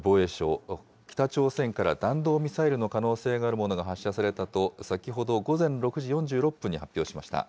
北朝鮮から弾道ミサイルの可能性があるものが発射されたと先ほど午前６時４６分に発表しました。